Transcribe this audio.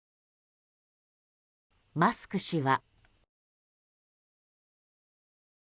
マスク氏は。